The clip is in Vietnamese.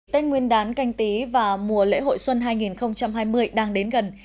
tên nguyên đán canh tí và mùa lễ hội xuân hai nghìn hai mươi đang đến gần